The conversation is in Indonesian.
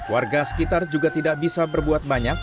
warga sekitar juga tidak bisa berbuat banyak